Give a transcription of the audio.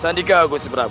senikah aku seberang